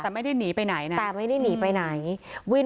แต่ไม่ได้หนีไปไหนนะแต่ไม่ได้หนีไปไหนวิน